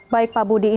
baik pak budi